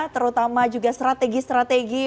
terutama juga strategi strategi